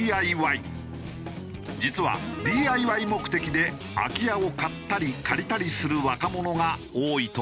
実はＤＩＹ目的で空き家を買ったり借りたりする若者が多いという。